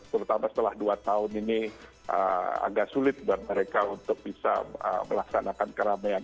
terutama setelah dua tahun ini agak sulit buat mereka untuk bisa melaksanakan keramaian